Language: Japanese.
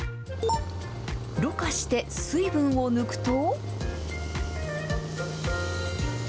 ろ過して水分を抜くと。